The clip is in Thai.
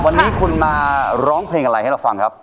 วันนี้คุณมาร้องเพลงอะไรให้เราฟังครับ